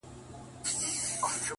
o ځوان يوه غټه ساه ورکش کړه؛